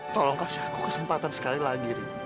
tolong kasih aku kesempatan sekali lagi nih